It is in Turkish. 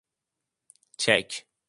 Çek!